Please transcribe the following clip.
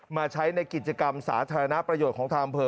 มาใช้ในกิจกรรมสาธารณประโยชน์ของทางอำเภอ